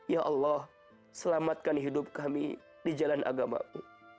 ya allah selamatkan hidup kami di jalan agama mu